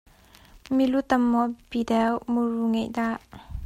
Milu tam maw a biapi deuh muru ngeih dah?